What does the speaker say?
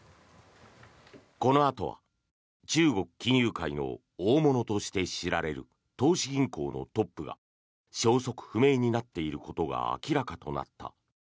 このあとは中国金融界の大物として知られる投資銀行のトップが消息不明になっていることが明らかとなった。